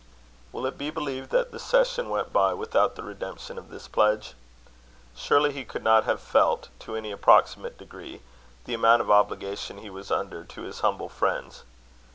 Will it be believed that the session went by without the redemption of this pledge? Surely he could not have felt, to any approximate degree, the amount of obligation he was under to his humble friends.